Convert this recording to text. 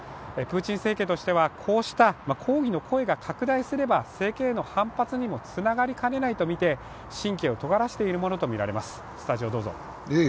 プーチン政権としてはこうした抗議の声が拡大すれば政権への反発にもつながりかねないとみて、神経をとがらせているものとみられます。